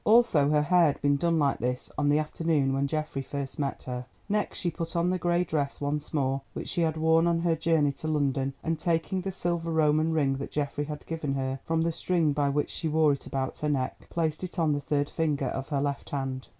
Also her hair had been done like this on the afternoon when Geoffrey first met her. Next she put on the grey dress once more which she had worn on her journey to London, and taking the silver Roman ring that Geoffrey had given her from the string by which she wore it about her neck, placed it on the third finger of her left hand.